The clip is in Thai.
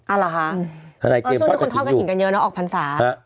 อ้าวเหรอคะส่วนทุกคนทอดกระถิ่งกันเยอะแล้วออกพรรษา